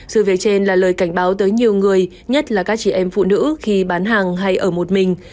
sự việc trên là lời cảnh báo tới nhiều người nhất là các chị em phụ nữ khi bán hàng hay ở một mình